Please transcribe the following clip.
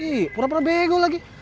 ih pura pura bego lagi